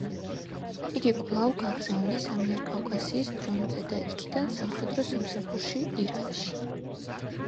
იგი კვლავ გაგზავნეს ამიერკავკასიის ფრონტზე და იქიდან სამხედრო სამსახურში ირანში.